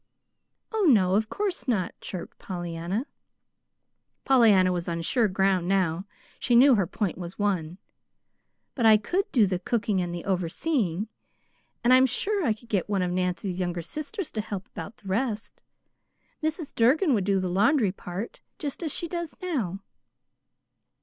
"Oh, no, of course not," chirped Pollyanna. (Pollyanna was on sure ground now. She knew her point was won.) "But I could do the cooking and the overseeing, and I'm sure I could get one of Nancy's younger sisters to help about the rest. Mrs. Durgin would do the laundry part just as she does now."